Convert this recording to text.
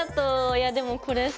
いやでもこれさ。